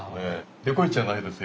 デゴイチじゃないですよ。